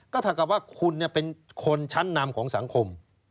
ก็เท่ากับว่าคุณเป็นคนชั้นนำของสังคม